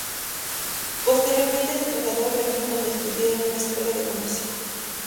Posteriormente se trasladó a Berlín donde estudió en una escuela de comercio.